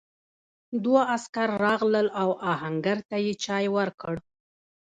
دوه عسکر راغلل او آهنګر ته یې چای ورکړ.